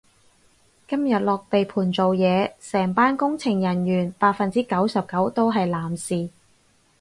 今日落地盤做嘢，成班工程人員百分之九十九都係男士